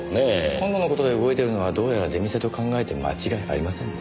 今度の事で動いてるのはどうやら出店と考えて間違いありませんね。